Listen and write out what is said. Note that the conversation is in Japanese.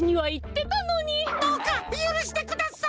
どうかゆるしてください！